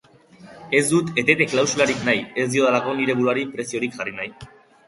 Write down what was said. Ez dut etete-klausularik nahi ez diodalako nire buruari preziorik jarri nahi.